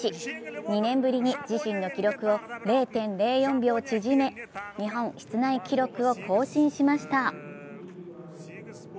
２年ぶりに自身の記録を０．０４秒縮め日本室内記録を更新しました。